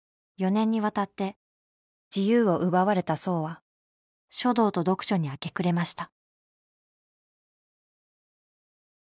４年にわたって自由を奪われた荘は書道と読書に明け暮れました。